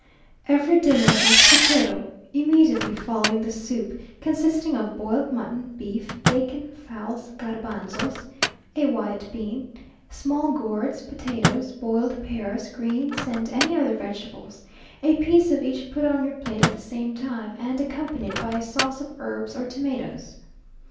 Every dinner has puchero immediately following the soup; consisting of boiled mutton, beef, bacon, fowls, garbanzos (a white bean), small gourds, potatoes, boiled pears, greens, and any other vegetables; a piece of each put on your plate at the same time, and accompanied by a sauce of herbs or tomatoes.